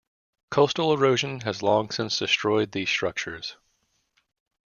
Coastal erosion has long since destroyed these structures.